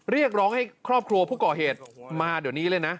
เรียกร้องให้ครอบครัวผู้ก่อเหตุมาเดี๋ยวนี้เลยนะ